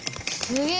すげえ！